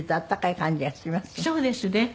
そうですね。